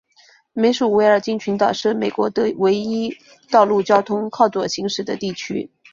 美属维尔京群岛是美国唯一道路交通靠左行驶的地区。